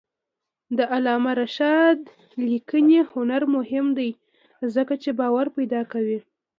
د علامه رشاد لیکنی هنر مهم دی ځکه چې باور پیدا کوي.